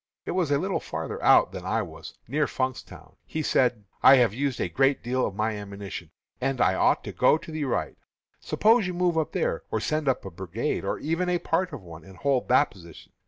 It was a little farther out than I was near Funkstown. He said, 'I have used a great deal of my ammunition, and I ought to go to the right; suppose you move up there, or send up a brigade, or even a part of one, and hold that position.'